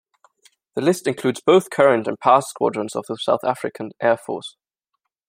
The list includes both current and past squadrons of the South African Air Force.